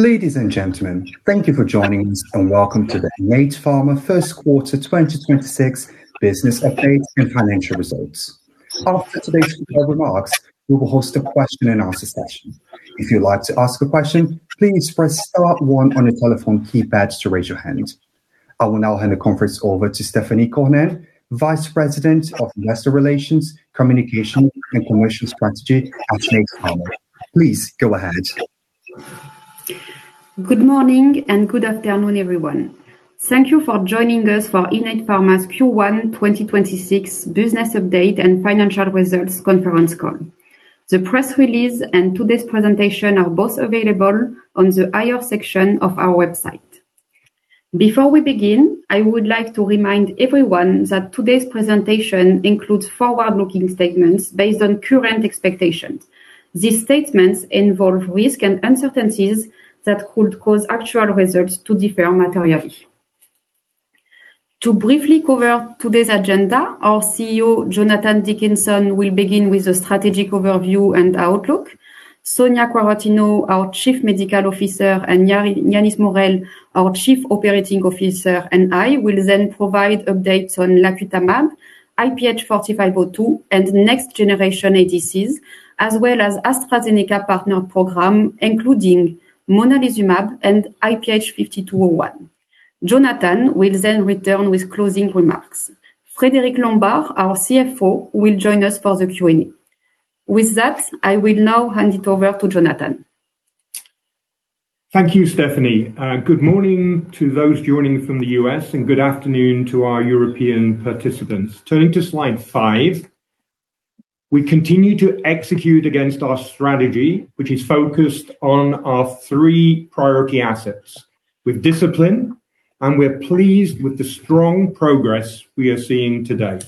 Ladies and gentlemen, thank you for joining us. Welcome to the Innate Pharma First Quarter 2026 Business Update and Financial Results. After today's remarks, we will host a question-and-answer session. If you'd like to ask a question, please press star one on your telephone keypads to raise your hand. I will now hand the conference over to Stéphanie Cornen, Vice President of Investor Relations, Communication, and Commercial Strategy at Innate Pharma. Please go ahead. Good morning and good afternoon, everyone. Thank you for joining us for Innate Pharma's Q1 2026 business update and financial results conference call. The press release and today's presentation are both available on the IR section of our website. Before we begin, I would like to remind everyone that today's presentation includes forward-looking statements based on current expectations. These statements involve risks and uncertainties that could cause actual results to differ materially. To briefly cover today's agenda, our CEO, Jonathan Dickinson, will begin with a strategic overview and outlook. Sonia Quaratino, our Chief Medical Officer, and Yannis Morel, our Chief Operating Officer, and I will then provide updates on lacutamab, IPH4502, and next generation ADCs, as well as AstraZeneca partner program, including monalizumab and IPH5201. Jonathan will return with closing remarks. Frédéric Lombard, our CFO, will join us for the Q&A. With that, I will now hand it over to Jonathan. Thank you, Stéphanie. Good morning to those joining from the U.S., and good afternoon to our European participants. Turning to slide five. We continue to execute against our strategy, which is focused on our three priority assets with discipline, and we're pleased with the strong progress we are seeing today.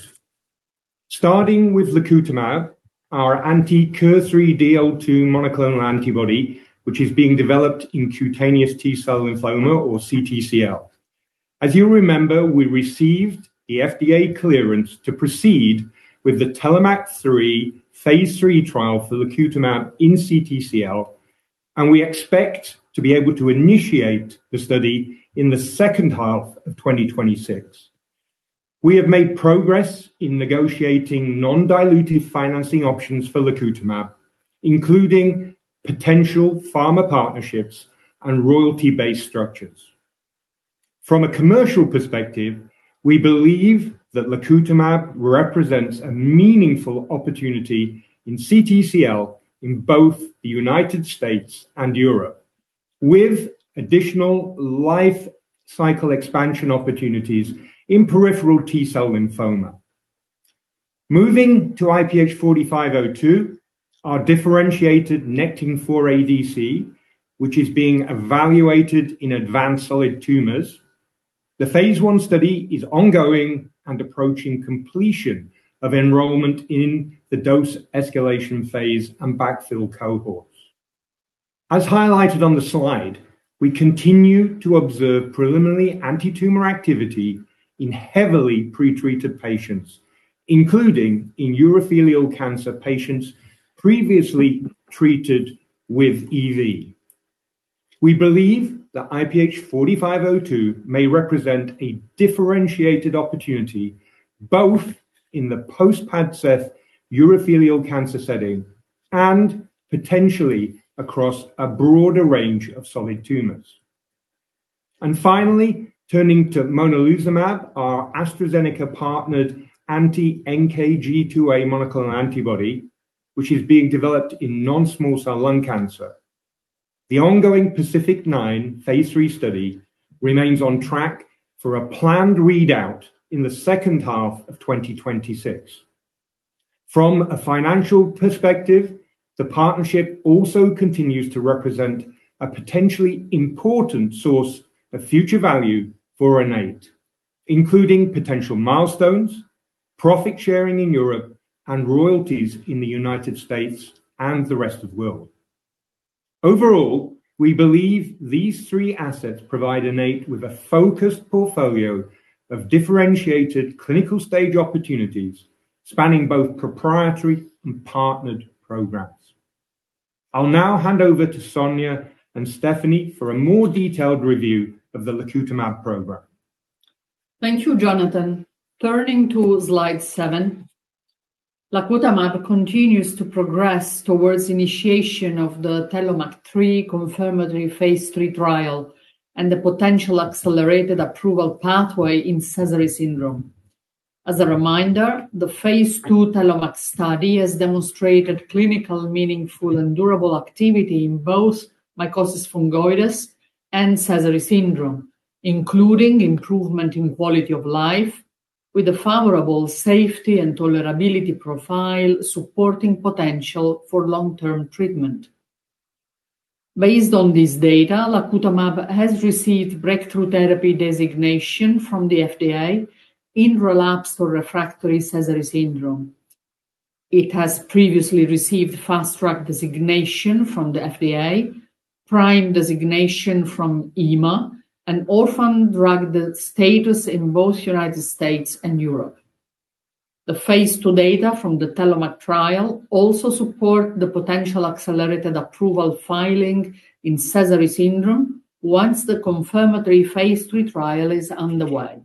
Starting with lacutamab, our anti-KIR3DL2 monoclonal antibody, which is being developed in cutaneous T-cell lymphoma or CTCL. As you remember, we received the FDA clearance to proceed with the TELLOMAK-3 phase III trial for lacutamab in CTCL, and we expect to be able to initiate the study in the second half of 2026. We have made progress in negotiating non-dilutive financing options for lacutamab, including potential pharma partnerships and royalty-based structures. From a commercial perspective, we believe that lacutamab represents a meaningful opportunity in CTCL in both the United States and Europe, with additional life cycle expansion opportunities in peripheral T-cell lymphoma. Moving to IPH4502, our differentiated Nectin-4 ADC, which is being evaluated in advanced solid tumors. The phase I study is ongoing and approaching completion of enrollment in the dose escalation phase and backfill cohorts. As highlighted on the slide, we continue to observe preliminary antitumor activity in heavily pretreated patients, including in urothelial cancer patients previously treated with EV. We believe that IPH4502 may represent a differentiated opportunity, both in the post-PADCEV urothelial cancer setting and potentially across a broader range of solid tumors. And finally, turning to monalizumab, our AstraZeneca-partnered anti-NKG2A monoclonal antibody, which is being developed in non-small cell lung cancer. The ongoing PACIFIC-9 Phase 3 study remains on track for a planned readout in the second half of 2026. From a financial perspective, the partnership also continues to represent a potentially important source of future value for Innate, including potential milestones, profit-sharing in Europe, and royalties in the United States and the rest of world. Overall, we believe these three assets provide Innate with a focused portfolio of differentiated clinical stage opportunities spanning both proprietary and partnered programs. I'll now hand over to Sonia and Stéphanie for a more detailed review of the lacutamab program. Thank you, Jonathan. Turning to slide seven. Lacutamab continues to progress towards initiation of the TELLOMAK-3 confirmatory phase III trial and the potential accelerated approval pathway in Sézary syndrome. As a reminder, the phase II TELLOMAK study has demonstrated clinical meaningful and durable activity in both mycosis fungoides and Sézary syndrome, including improvement in quality of life with a favorable safety and tolerability profile supporting potential for long-term treatment. Based on this data, lacutamab has received breakthrough therapy designation from the FDA in relapsed or refractory Sézary syndrome. It has previously received fast track designation from the FDA, PRIME designation from EMA, and Orphan Drug status in both United States and Europe. The phase II data from the TELLOMAK trial also support the potential accelerated approval filing in Sézary syndrome once the confirmatory phase III trial is underway.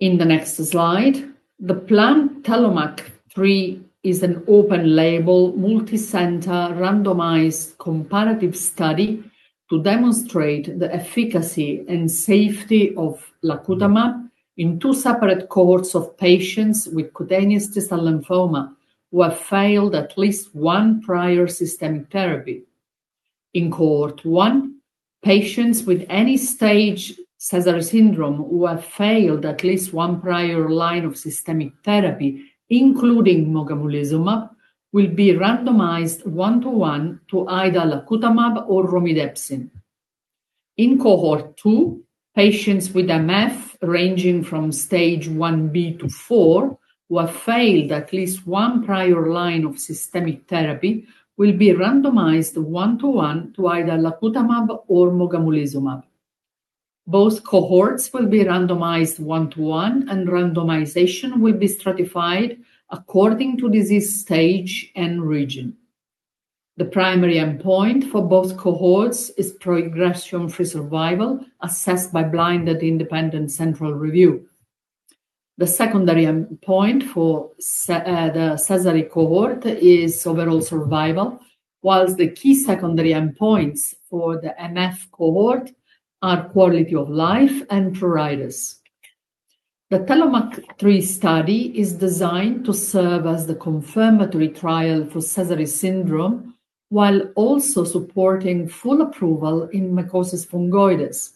In the next slide, the planned TELLOMAK-3 is an open-label, multicenter randomized comparative study to demonstrate the efficacy and safety of lacutamab in two separate cohorts of patients with cutaneous T-cell lymphoma who have failed at least one prior systemic therapy. In cohort one, patients with any stage Sézary syndrome who have failed at least one prior line of systemic therapy, including mogamulizumab, will be randomized one-to-one to either lacutamab or romidepsin. In cohort two, patients with MF ranging from stage 1B to four who have failed at least one prior line of systemic therapy will be randomized one-to-one to either lacutamab or mogamulizumab. Both cohorts will be randomized one-to-one, and randomization will be stratified according to disease stage and region. The primary endpoint for both cohorts is progression-free survival assessed by blinded independent central review. The secondary endpoint for the Sézary cohort is overall survival, whilst the key secondary endpoints for the MF cohort are quality of life and pruritus. The TELLOMAK-3 study is designed to serve as the confirmatory trial for Sézary syndrome while also supporting full approval in mycosis fungoides.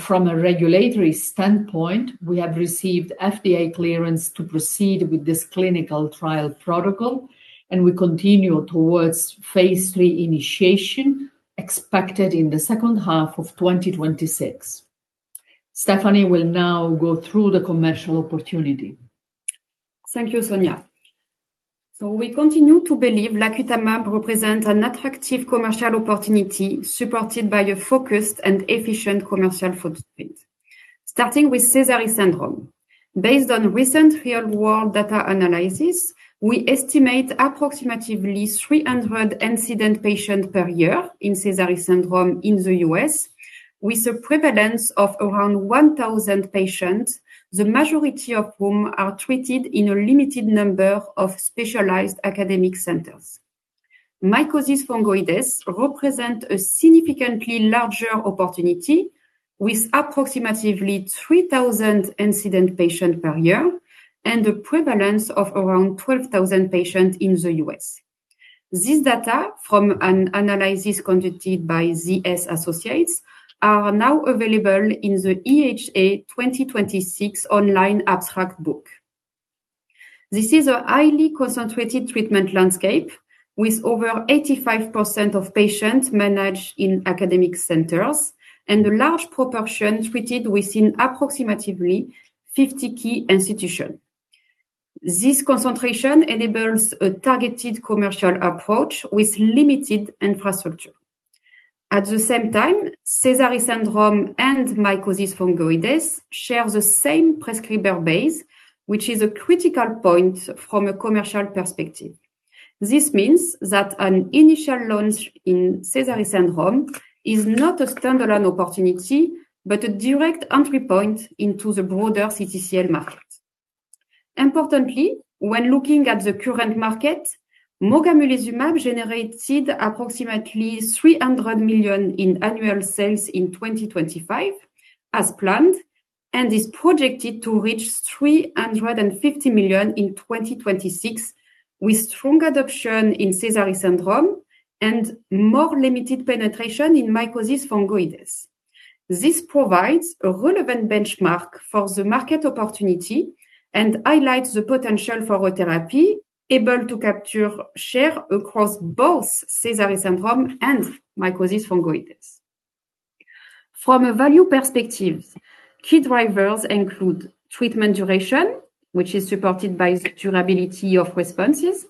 From a regulatory standpoint, we have received FDA clearance to proceed with this clinical trial protocol, and we continue towards phase III initiation expected in the second half of 2026. Stéphanie will now go through the commercial opportunity. Thank you, Sonia. We continue to believe lacutamab represents an attractive commercial opportunity supported by a focused and efficient commercial footprint. Starting with Sézary syndrome. Based on recent real-world data analysis, we estimate approximately 300 incident patients per year in Sézary syndrome in the U.S., with a prevalence of around 1,000 patients, the majority of whom are treated in a limited number of specialized academic centers. Mycosis fungoides represent a significantly larger opportunity with approximately 3,000 incident patients per year and a prevalence of around 12,000 patients in the U.S. This data from an analysis conducted by ZS Associates are now available in the EHA 2026 online abstract book. This is a highly concentrated treatment landscape with over 85% of patients managed in academic centers and a large proportion treated within approximately 50 key institutions. This concentration enables a targeted commercial approach with limited infrastructure. At the same time, Sézary syndrome and mycosis fungoides share the same prescriber base, which is a critical point from a commercial perspective. This means that an initial launch in Sézary syndrome is not a standalone opportunity but a direct entry point into the broader CTCL market. Importantly, when looking at the current market, mogamulizumab generated approximately 300 million in annual sales in 2025 as planned and is projected to reach 350 million in 2026 with strong adoption in Sézary syndrome and more limited penetration in mycosis fungoides. This provides a relevant benchmark for the market opportunity and highlights the potential for our therapy able to capture share across both Sézary syndrome and mycosis fungoides. From a value perspective, key drivers include treatment duration, which is supported by durability of responses,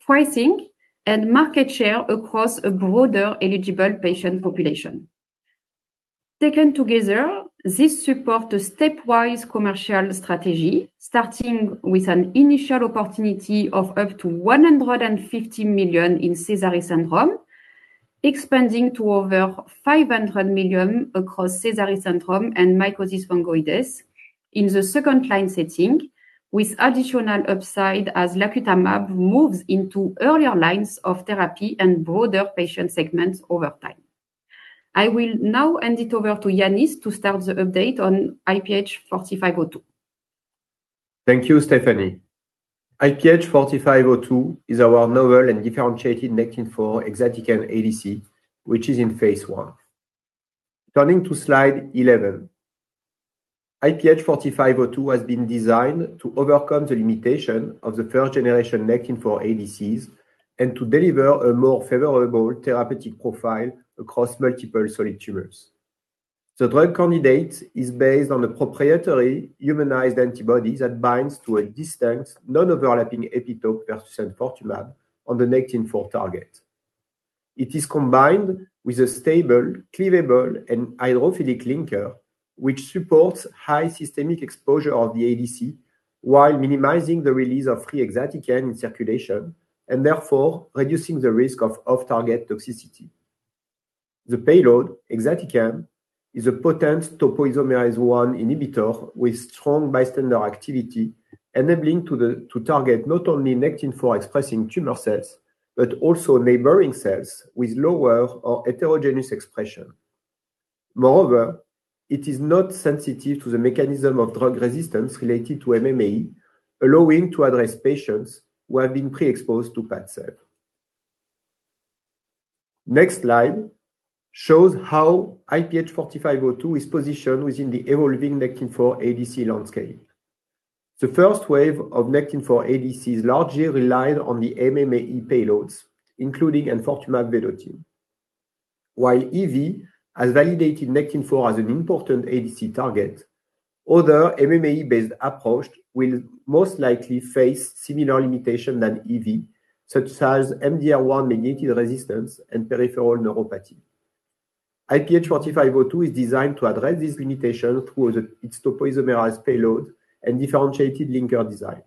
pricing, and market share across a broader eligible patient population. Taken together, this supports a stepwise commercial strategy starting with an initial opportunity of up to 150 million in Sézary syndrome, expanding to over 500 million across Sézary syndrome and mycosis fungoides in the second-line setting, with additional upside as lacutamab moves into earlier lines of therapy and broader patient segments over time. I will now hand it over to Yannis to start the update on IPH4502. Thank you, Stéphanie. IPH4502 is our novel and differentiated Nectin-4 exatecan ADC, which is in phase I. Turning to slide 11. IPH4502 has been designed to overcome the limitation of the first generation Nectin-4 ADCs and to deliver a more favorable therapeutic profile across multiple solid tumors. The drug candidate is based on a proprietary humanized antibody that binds to a distinct non-overlapping epitope versus enfortumab on the Nectin-4 target. It is combined with a stable, cleavable, and hydrophilic linker, which supports high systemic exposure of the ADC while minimizing the release of free exatecan in circulation and therefore reducing the risk of off-target toxicity. The payload, exatecan, is a potent topoisomerase I inhibitor with strong bystander activity, enabling to target not only Nectin-4 expressing tumor cells, but also neighboring cells with lower or heterogeneous expression. Moreover, it is not sensitive to the mechanism of drug resistance related to MMAE, allowing to address patients who have been pre-exposed to PADCEV. Next slide shows how IPH4502 is positioned within the evolving Nectin-4 ADC landscape. The first wave of Nectin-4 ADCs largely relied on the MMAE payloads, including enfortumab vedotin. While EV has validated Nectin-4 as an important ADC target, other MMAE-based approach will most likely face similar limitation than EV, such as MDR1-mediated resistance and peripheral neuropathy. IPH4502 is designed to address this limitation through its topoisomerase payload and differentiated linker design.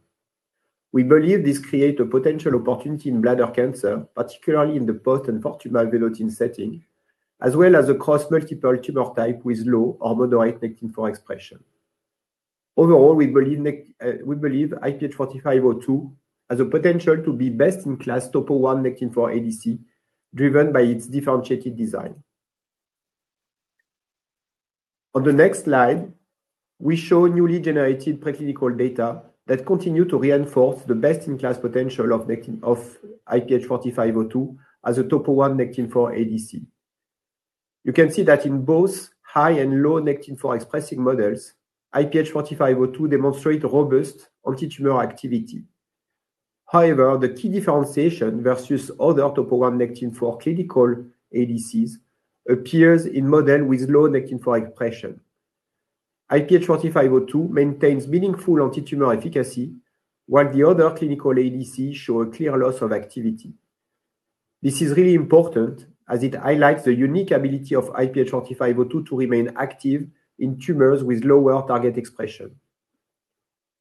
We believe this create a potential opportunity in bladder cancer, particularly in the post-enfortumab vedotin setting, as well as across multiple tumor type with low or moderate Nectin-4 expression. Overall, we believe we believe IPH4502 has the potential to be best in class Topo-1 Nectin-4 ADC driven by its differentiated design. On the next slide, we show newly generated preclinical data that continue to reinforce the best-in-class potential of IPH4502 as a Topo-1 Nectin-4 ADC. You can see that in both high and low Nectin-4 expressing models, IPH4502 demonstrate robust antitumor activity. However, the key differentiation versus other Topo-1 Nectin-4 clinical ADCs appears in model with low Nectin-4 expression. IPH4502 maintains meaningful antitumor efficacy, while the other clinical ADCs show a clear loss of activity. This is really important as it highlights the unique ability of IPH4502 to remain active in tumors with lower target expression.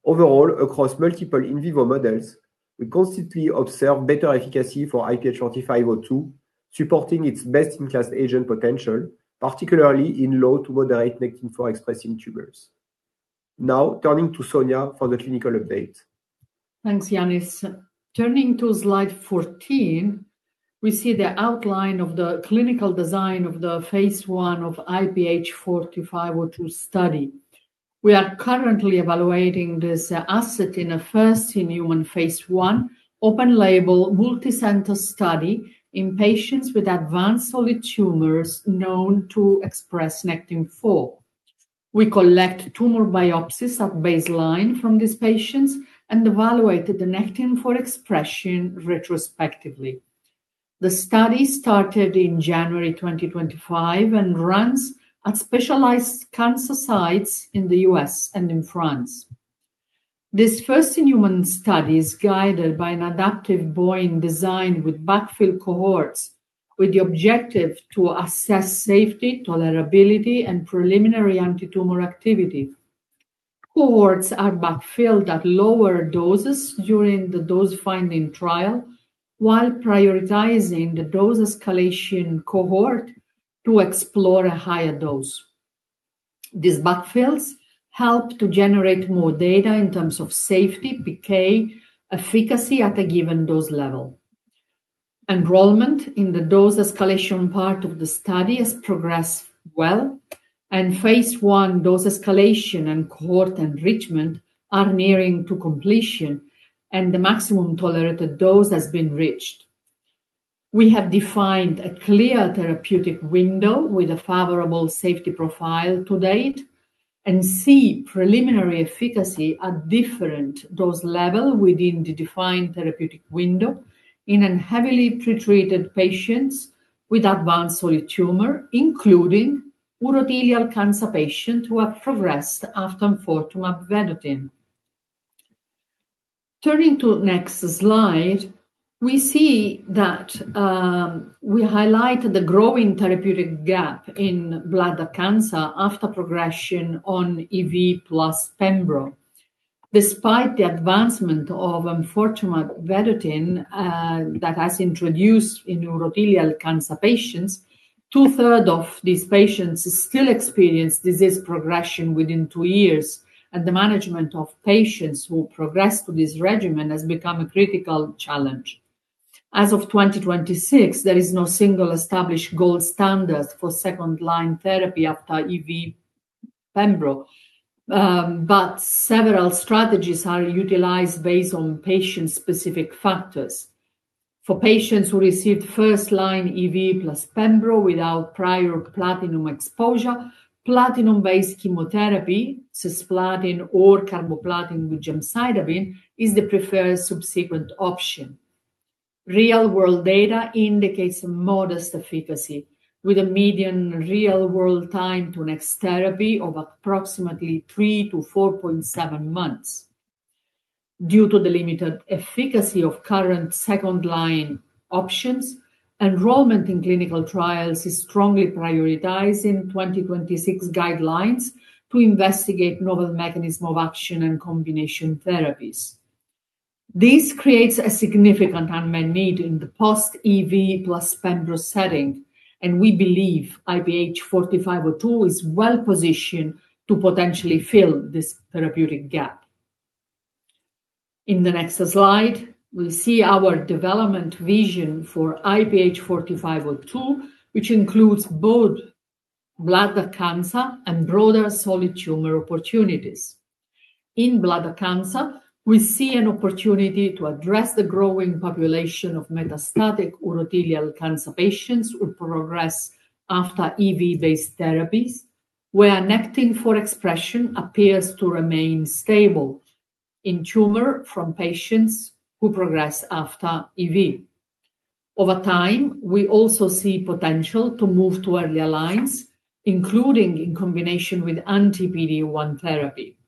Overall, across multiple in vivo models, we consistently observe better efficacy for IPH4502, supporting its best-in-class agent potential, particularly in low to moderate Nectin-4 expressing tumors. Now turning to Sonia for the clinical update. Thanks, Yannis. Turning to slide 14, we see the outline of the clinical design of the phase I of IPH4502 study. We are currently evaluating this asset in a first-in-human phase I open label multicenter study in patients with advanced solid tumors known to express Nectin-4. We collect tumor biopsies at baseline from these patients and evaluate the Nectin-4 expression retrospectively. The study started in January 2025 and runs at specialized cancer sites in the U.S. and in France. This first-in-human study is guided by an adaptive BOIN design with backfill cohorts with the objective to assess safety, tolerability, and preliminary antitumor activity. Cohorts are backfilled at lower doses during the dose-finding trial while prioritizing the dose escalation cohort to explore a higher dose. These backfills help to generate more data in terms of safety, PK, efficacy at a given dose level. Enrollment in the dose escalation part of the study has progressed well. Phase I dose escalation and cohort enrichment are nearing to completion. The maximum tolerated dose has been reached. We have defined a clear therapeutic window with a favorable safety profile to date and see preliminary efficacy at different dose level within the defined therapeutic window in an heavily pretreated patients with advanced solid tumor, including urothelial cancer patient who have progressed after enfortumab vedotin. Turning to next slide, we see that we highlight the growing therapeutic gap in bladder cancer after progression on EV plus pembro. Despite the advancement of enfortumab vedotin that has introduced in urothelial cancer patients, two-third of these patients still experience disease progression within two years. The management of patients who progress to this regimen has become a critical challenge. As of 2026, there is no single established gold standard for second-line therapy after enfortumab pembrolizumab. Several strategies are utilized based on patient-specific factors. For patients who received first-line enfortumab plus pembrolizumab without prior platinum exposure, platinum-based chemotherapy, cisplatin or carboplatin with gemcitabine, is the preferred subsequent option. Real-world data indicates a modest efficacy with a median real-world time to next therapy of approximately three to 4.7 months. Due to the limited efficacy of current second-line options, enrollment in clinical trials is strongly prioritizing 2026 guidelines to investigate novel mechanism of action and combination therapies. This creates a significant unmet need in the post-enfortumab plus pembrolizumab setting, and we believe IPH4502 is well-positioned to potentially fill this therapeutic gap. In the next slide, we'll see our development vision for IPH4502, which includes both bladder cancer and broader solid tumor opportunities. In bladder cancer, we see an opportunity to address the growing population of metastatic urothelial cancer patients who progress after EV-based therapies, where Nectin-4 expression appears to remain stable in tumor from patients who progress after EV. Over time, we also see potential to move to earlier lines, including in combination with anti-PD-1 therapy.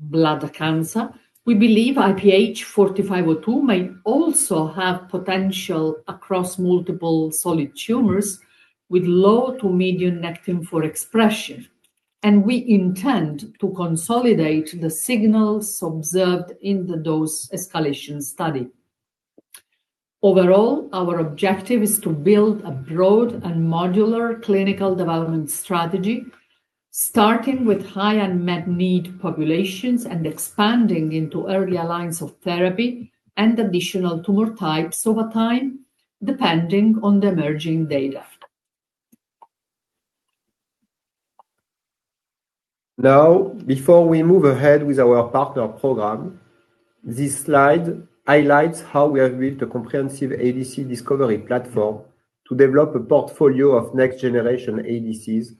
Beyond bladder cancer, we believe IPH4502 may also have potential across multiple solid tumors with low to medium Nectin-4 expression, and we intend to consolidate the signals observed in the dose escalation study. Overall, our objective is to build a broad and modular clinical development strategy, starting with high unmet need populations and expanding into earlier lines of therapy and additional tumor types over time, depending on the emerging data. Now, before we move ahead with our partner program, this slide highlights how we have built a comprehensive ADC discovery platform to develop a portfolio of next-generation ADCs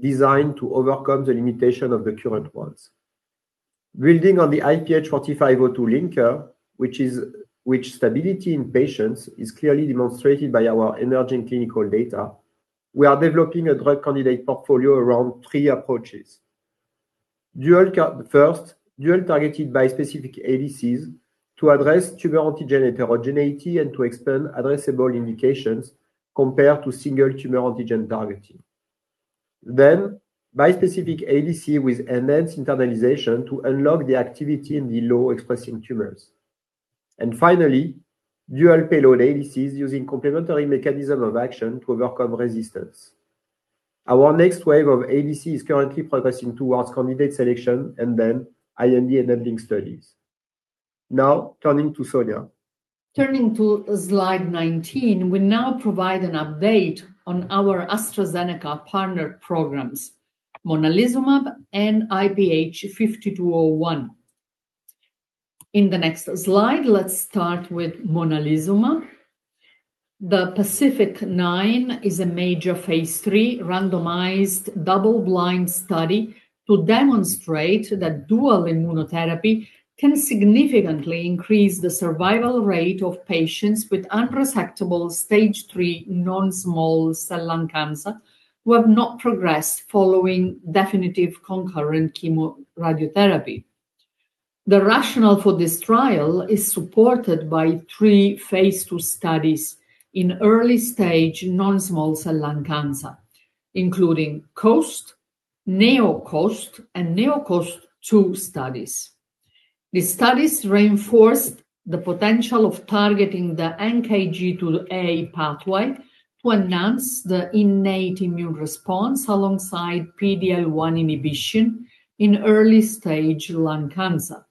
designed to overcome the limitation of the current ones. Building on the IPH4502 linker, which stability in patients is clearly demonstrated by our emerging clinical data, we are developing a drug candidate portfolio around three approaches. Dual targeted bispecific ADCs to address tumor antigen heterogeneity and to expand addressable indications compared to single tumor antigen targeting. Bispecific ADC with enhanced internalization to unlock the activity in the low-expressing tumors. Finally, dual-payload ADCs using complementary mechanism of action to overcome resistance. Our next wave of ADC is currently progressing towards candidate selection and then IND-enabling studies. Now, turning to Sonia. Turning to slide 19, we now provide an update on our AstraZeneca partner programs, monalizumab and IPH5201. In the next slide, let's start with monalizumab. The PACIFIC-9 is a major phase III randomized double-blind study to demonstrate that dual immunotherapy can significantly increase the survival rate of patients with unresectable stage three non-small cell lung cancer who have not progressed following definitive concurrent chemoradiotherapy. The rationale for this trial is supported by three phase II studies in early-stage non-small cell lung cancer, including COAST, NeoCOAST, and NeoCOAST-2 studies. These studies reinforce the potential of targeting the NKG2A pathway to enhance the innate immune response alongside PD-L1 inhibition in early-stage lung cancer.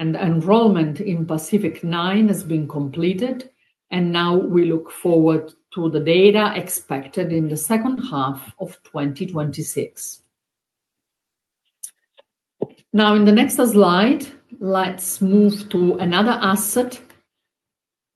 Enrollment in PACIFIC-9 has been completed, and now we look forward to the data expected in the second half of 2026. Now, in the next slide, let's move to another asset,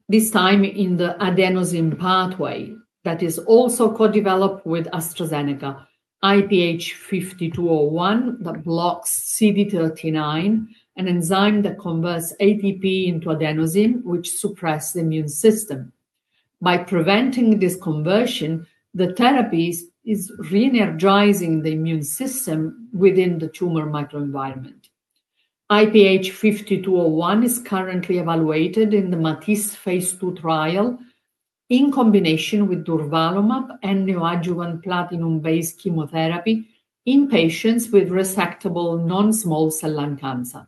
this time in the adenosine pathway that is also co-developed with AstraZeneca, IPH5201, that blocks CD39, an enzyme that converts ATP into adenosine, which suppress the immune system. By preventing this conversion, the therapies is re-energizing the immune system within the tumor microenvironment. IPH5201 is currently evaluated in the MATISSE Phase 2 trial in combination with durvalumab and neoadjuvant platinum-based chemotherapy in patients with resectable non-small cell lung cancer.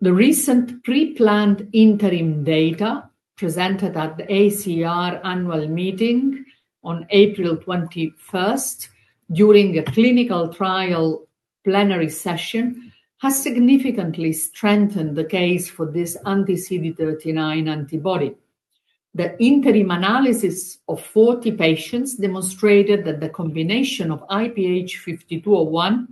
The recent preplanned interim data presented at the AACR Annual Meeting on April 21st during a clinical trial plenary session has significantly strengthened the case for this anti-CD39 antibody. The interim analysis of 40 patients demonstrated that the combination of IPH5201,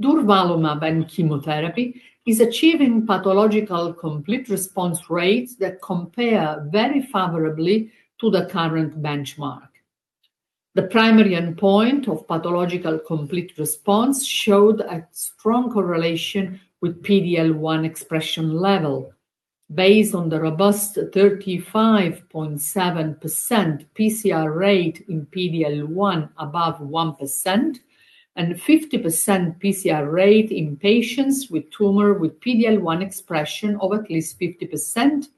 durvalumab, and chemotherapy is achieving pathological complete response rates that compare very favorably to the current benchmark. The primary endpoint of pathological complete response showed a strong correlation with PD-L1 expression level. Based on the robust 35.7% pCR rate in PD-L1 above 1% and 50% pCR rate in patients with tumor with PD-L1 expression of at least 50%,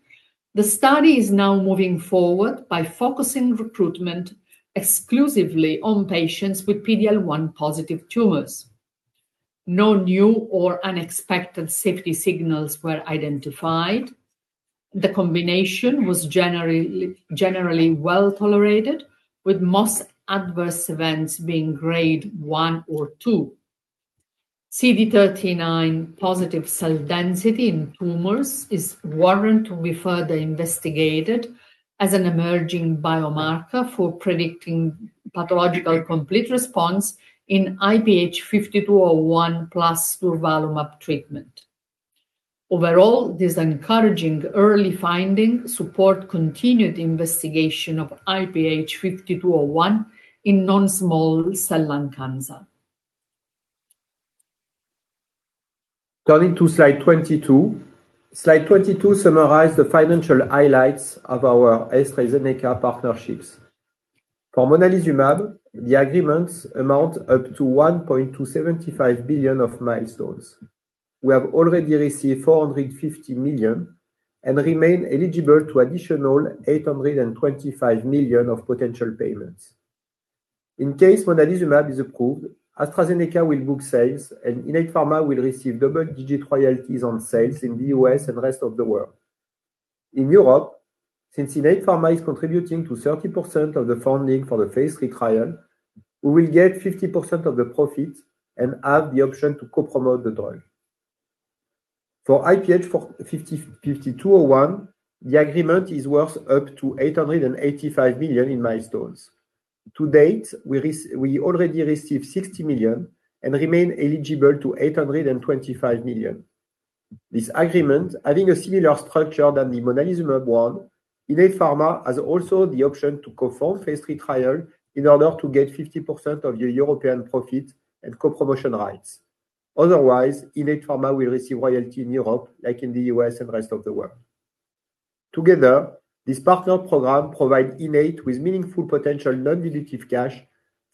the study is now moving forward by focusing recruitment exclusively on patients with PD-L1 positive tumors. No new or unexpected safety signals were identified. The combination was generally well-tolerated, with most adverse events being grade one or two. CD39 positive cell density in tumors is warrant to be further investigated as an emerging biomarker for predicting pathological complete response in IPH5201 plus durvalumab treatment. Overall, these encouraging early findings support continued investigation of IPH5201 in non-small cell lung cancer. Turning to slide 22. Slide 22 summarizes the financial highlights of our AstraZeneca partnerships. For monalizumab, the agreements amount up to 1.275 billion of milestones. We have already received 450 million and remain eligible to additional 825 million of potential payments. In case monalizumab is approved, AstraZeneca will book sales, and Innate Pharma will receive double-digit royalties on sales in the U.S. and rest of the world. In Europe, since Innate Pharma is contributing to 30% of the funding for the phase III trial, we will get 50% of the profit and have the option to co-promote the drug. For IPH5201, the agreement is worth up to 885 million in milestones. To date, we already received 60 million and remain eligible to 825 million. This agreement, having a similar structure than the monalizumab one, Innate Pharma has also the option to co-fund phase III trial in order to get 50% of the European profit and co-promotion rights. Otherwise, Innate Pharma will receive royalty in Europe, like in the U.S. and rest of the world. Together, this partner program provide Innate with meaningful potential non-dilutive cash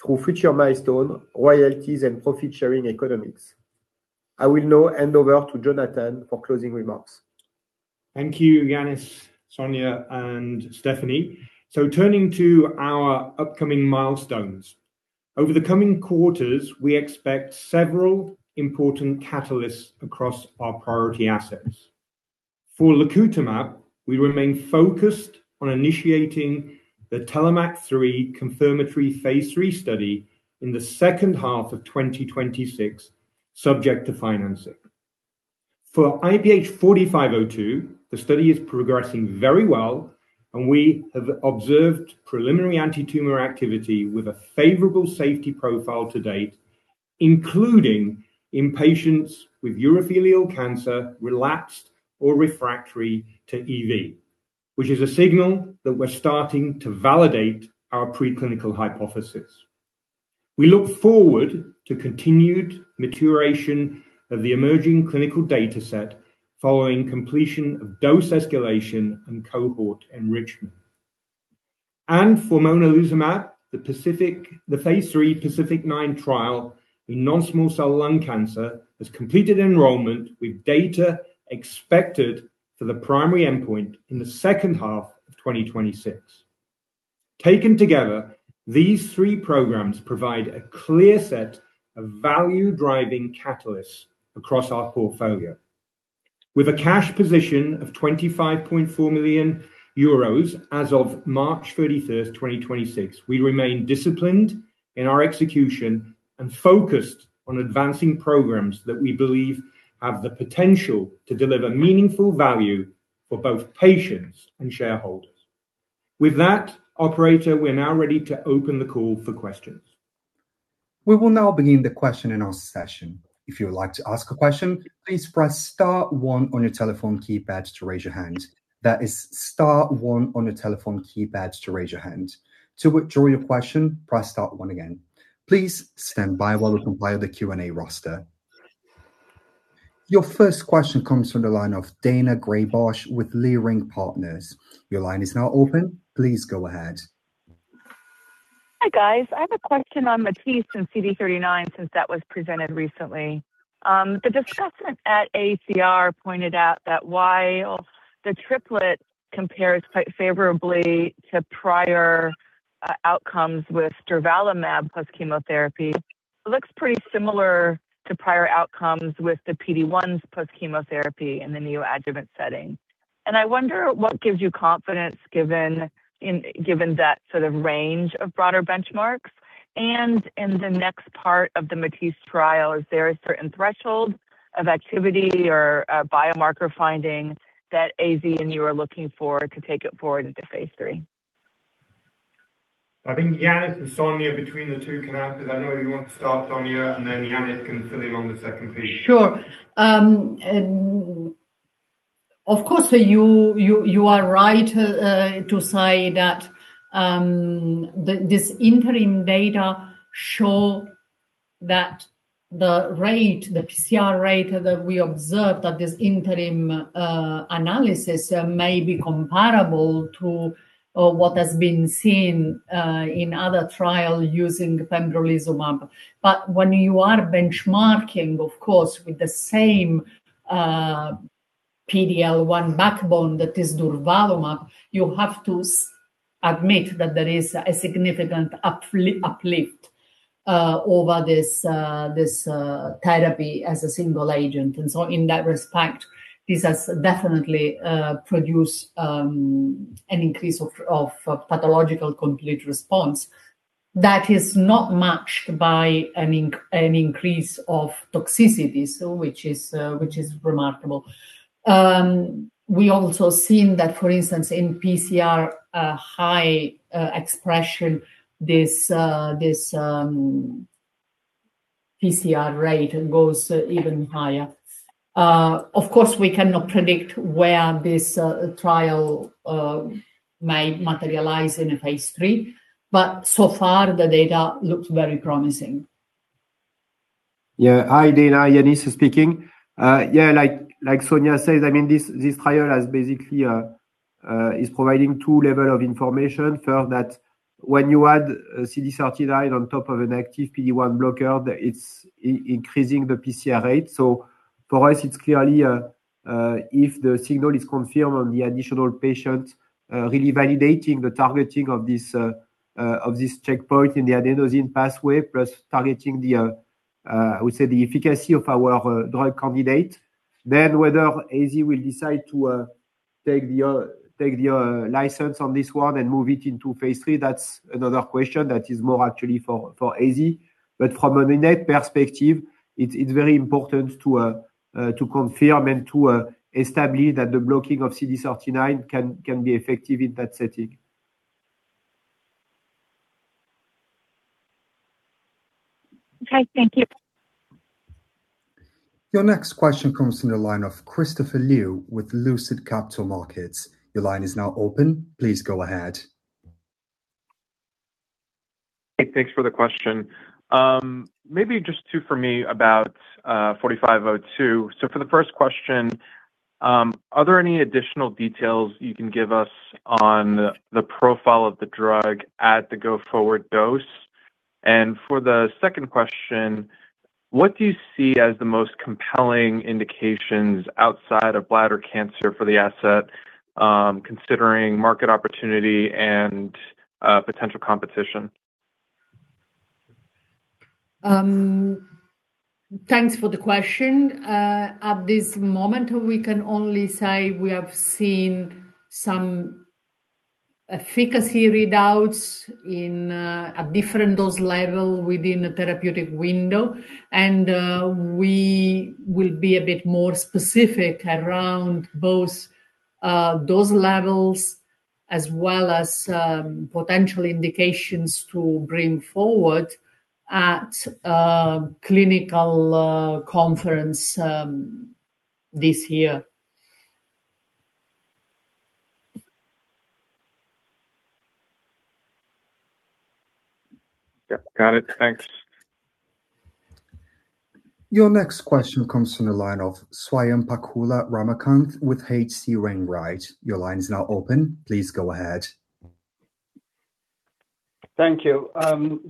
through future milestone royalties and profit-sharing economics. I will now hand over to Jonathan for closing remarks. Thank you, Yannis, Sonia, and Stéphanie. Turning to our upcoming milestones. Over the coming quarters, we expect several important catalysts across our priority assets. For lacutamab, we remain focused on initiating the TELLOMAK-3 confirmatory phase III study in the second half of 2026, subject to financing. For IPH4502, the study is progressing very well, and we have observed preliminary antitumor activity with a favorable safety profile to date, including in patients with urothelial cancer, relapsed or refractory to EV, which is a signal that we're starting to validate our preclinical hypothesis. We look forward to continued maturation of the emerging clinical data set following completion of dose escalation and cohort enrichment. For monalizumab, the phase III PACIFIC-9 trial in non-small cell lung cancer has completed enrollment, with data expected for the primary endpoint in the second half of 2026. Taken together, these three programs provide a clear set of value-driving catalysts across our portfolio. With a cash position of 25.4 million euros as of March 31st, 2026, we remain disciplined in our execution and focused on advancing programs that we believe have the potential to deliver meaningful value for both patients and shareholders. With that, operator, we're now ready to open the call for questions. We will now begin the question-and-answer session. If you would like to ask a question, please press star one on your telephone keypad to raise your hand. That is star one on your telephone keypad to raise your hand. To withdraw your question, press star one again. Please stand by while we compile the Q&A roster. Your first question comes from the line of Daina Graybosch with Leerink Partners. Your line is now open. Please go ahead. Hi, guys. I have a question on MATISSE and CD39 since that was presented recently. The discussant at AACR pointed out that while the triplet compares quite favorably to prior outcomes with durvalumab plus chemotherapy, it looks pretty similar to prior outcomes with the PD-1s plus chemotherapy in the neoadjuvant setting. I wonder what gives you confidence given, in given that sort of range of broader benchmarks? And in the next part of the MATISSE trial, is there a certain threshold of activity or a biomarker finding that AZ and you are looking for to take it forward into phase III? I think Yannis and Sonia between the two can answer. I know you want to start Sonia, and then Yannis can fill in on the second piece. Sure. Of course, you, you are right to say that this interim data show that the rate, the pCR rate that we observed at this interim analysis may be comparable to what has been seen in other trial using pembrolizumab. But, when you are benchmarking, of course, with the same PD-L1 backbone that is durvalumab, you have to admit that there is a significant uplift over this therapy as a single agent. In that respect, this has definitely produced an increase of pathological complete response that is not matched by an increase of toxicity. Which is remarkable. We also seen that, for instance, in pCR high expression, this pCR rate goes even higher. Of course, we cannot predict where this trial may materialize in a phase III, but so far the data looks very promising. Hi, Daina. Yannis speaking. Like Sonia says, I mean, this trial has basically is providing two levels of information for that. When you add CD39 on top of an active PD-1 blocker, it's increasing the pCR rate. For us, it's clearly, if the signal is confirmed on the additional patient, really validating the targeting of this checkpoint in the adenosine pathway, plus targeting the, I would say, the efficacy of our drug candidate. Whether AZ will decide to take the license on this one and move it into phase III, that's another question that is more actually for AZ. But from a Innate perspective, it's very important to confirm and to establish that the blocking of CD39 can be effective in that setting. Okay. Thank you. Your next question comes from the line of Christopher Liu with Lucid Capital Markets. Your line is now open. Please go ahead. Hey, thanks for the question. Maybe just two for me about IPH4502. For the first question, are there any additional details you can give us on the profile of the drug at the go-forward dose? For the second question, what do you see as the most compelling indications outside of bladder cancer for the asset, considering market opportunity and potential competition? Thanks for the question. At this moment, we can only say we have seen some efficacy readouts in a different dose level within a therapeutic window. And we will be a bit more specific around both dose levels as well as potential indications to bring forward at a clinical conference this year. Yep. Got it. Thanks. Your next question comes from the line of Swayampakula Ramakanth with H.C. Wainwright. Your line is now open. Please go ahead. Thank you.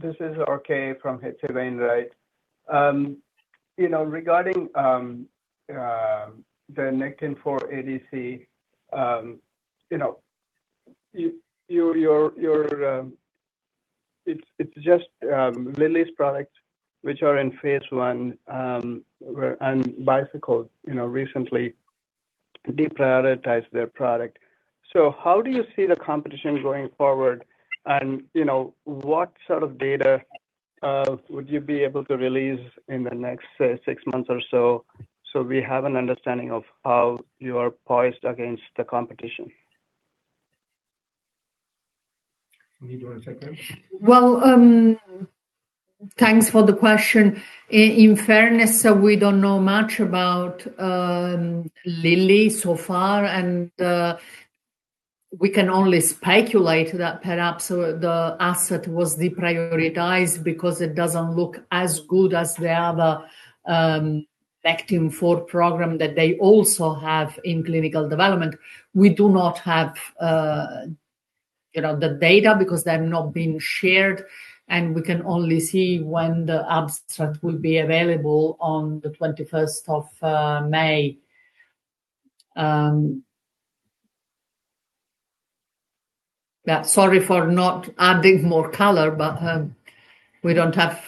This is RK from H.C. Wainwright. You know, regarding the Nectin-4 ADC, you know, you're, it's just Lilly's product which are in phase I, where and Bicycle, you know, recently deprioritized their product. How do you see the competition going forward? You know, what sort of data would you be able to release in the next six months or so we have an understanding of how you are poised against the competition? You need to take that? Well, thanks for the question. In fairness, we don't know much about Lilly so far. We can only speculate that perhaps the asset was deprioritized because it doesn't look as good as the other Nectin-4 program that they also have in clinical development. We do not have, you know, the data because they've not been shared. We can only see when the abstract will be available on the 21st of May. Yeah, sorry for not adding more color, but we don't have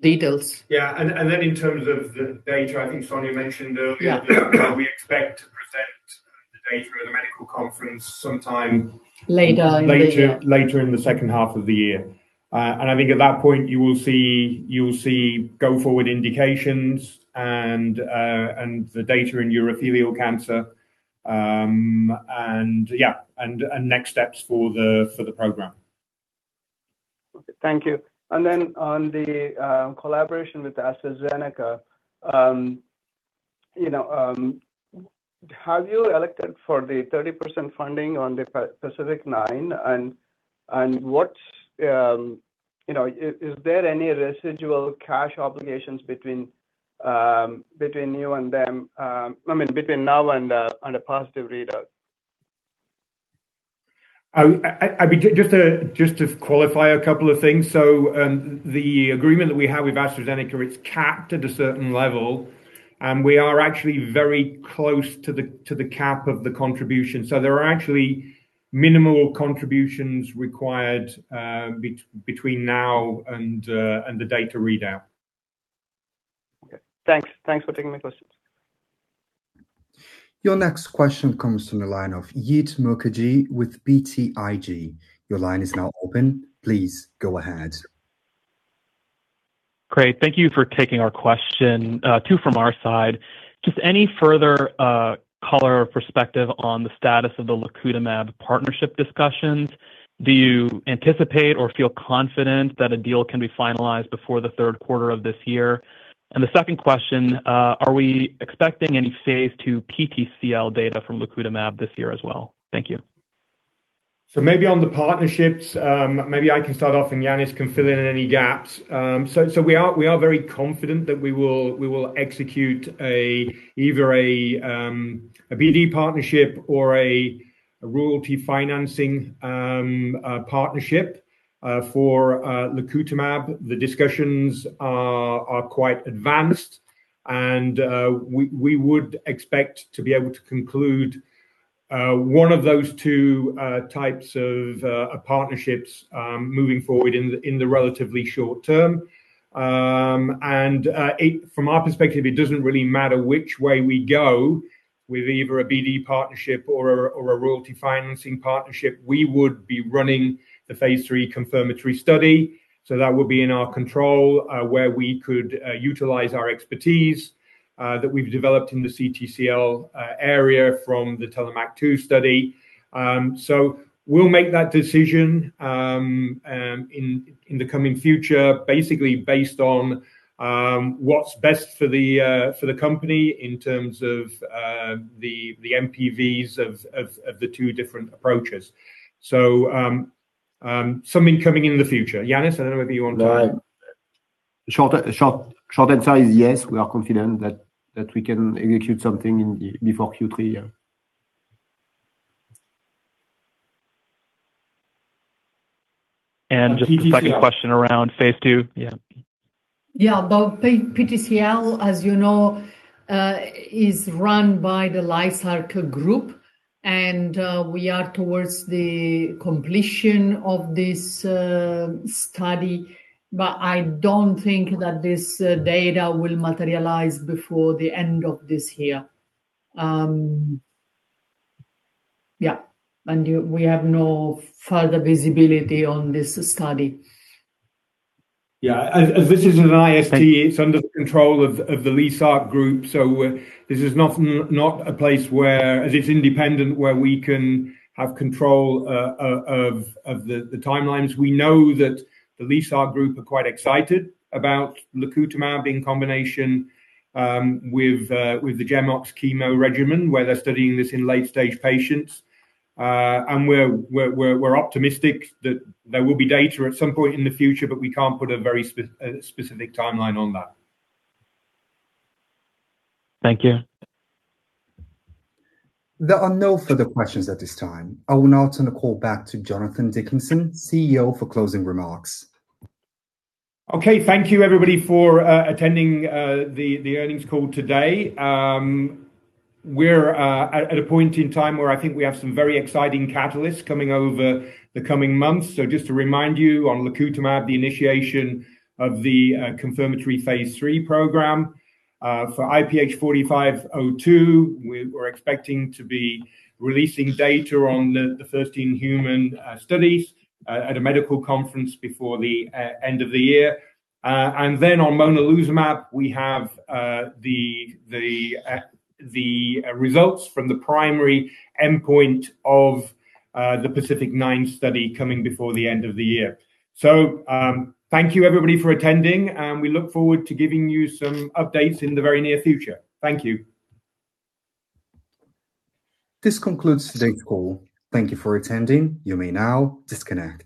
details. Yeah. In terms of the data, I think Sonia mentioned earlier. Yeah. That we expect to present the data at a medical conference sometime. Later in the year. Later in the second half of the year. I think at that point you will see go-forward indications and the data in urothelial cancer. Yeah, next steps for the program. Okay. Thank you. On the collaboration with AstraZeneca, you know, have you elected for the 30% funding on the PACIFIC-9? What, you know, is there any residual cash obligations between you and them? I mean between now and a positive readout? I mean, just to qualify a couple of things. The agreement that we have with AstraZeneca, it's capped at a certain level, and we are actually very close to the cap of the contribution. There are actually minimal contributions required between now and the data readout. Okay. Thanks. Thanks for taking my questions. Your next question comes from the line of Jeet Mukherjee with BTIG. Your line is now open. Please go ahead. Great. Thank you for taking our question. Two from our side. Just any further color or perspective on the status of the lacutamab partnership discussions? Do you anticipate or feel confident that a deal can be finalized before the third quarter of this year? The second question, are we expecting any phase II PTCL data from lacutamab this year as well? Thank you. Maybe on the partnerships, maybe I can start off and Yannis can fill in any gaps. We are very confident that we will execute a, either a BD partnership or a royalty financing partnership for lacutamab. The discussions are quite advanced and we would expect to be able to conclude one of those two types of partnerships moving forward in the relatively short term. From our perspective, it doesn't really matter which way we go with either a BD partnership or a royalty financing partnership. We would be running the phase III confirmatory study. That would be in our control, where we could utilize our expertise that we've developed in the CTCL area from the TELLOMAK-2 study. We'll make that decision in the coming future, basically based on what's best for the company in terms of the NPVs of the two different approaches. Something coming in the future. Yannis, I don't know whether you want to. The short answer is yes, we are confident that we can execute something before Q3. Just the second question around phase II. Yeah. Yeah. The PTCL, as you know, is run by the LYSA group, and we are towards the completion of this study. I don't think that this data will materialize before the end of this year. Yeah, and we have no further visibility on this study. Yeah. This is an IST. It's under the control of the LYSA group. This is not a place where, as it's independent, where we can have control of the timelines. We know that the LYSA group are quite excited about lacutamab in combination with the GemOx chemo regimen, where they're studying this in late stage patients. We're optimistic that there will be data at some point in the future, but we can't put a very specific timeline on that. Thank you. There are no further questions at this time. I will now turn the call back to Jonathan Dickinson, CEO, for closing remarks. Okay, thank you everybody for attending the earnings call today. We're at a point in time where I think we have some very exciting catalysts coming over the coming months. Just to remind you on lacutamab, the initiation of the confirmatory phase III program. For IPH4502, we're expecting to be releasing data on the first in human studies at a medical conference before the end of the year. And then, on monalizumab, we have the results from the primary endpoint of the PACIFIC-9 study coming before the end of the year. Thank you everybody for attending, and we look forward to giving you some updates in the very near future. Thank you. This concludes today's call. Thank you for attending. You may now disconnect.